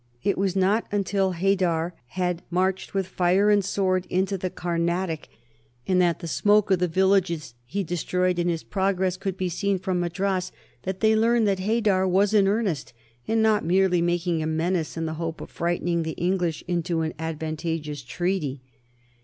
It was not until Haidar had marched with fire and sword into the Carnatic, and that the smoke of the villages he destroyed in his progress could be seen from Madras, that they learned that Haidar was in earnest and not merely making a menace in the hope of frightening the English into an advantageous treaty.